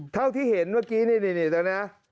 เท่าที่เห็นเมื่อกี้นี่นะ